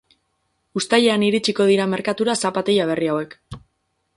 Uztailean iritsiko dira merkatura zapatila berri hauek.